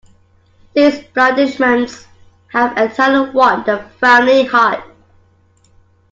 These blandishments have entirely won the family heart.